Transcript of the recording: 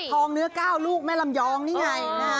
เนื้อ๙ลูกแม่ลำยองนี่ไง